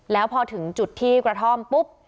แล้วพอถึงจุดที่กระท่อมปุ๊บ